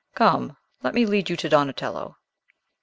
Come; let me lead you to Donatello."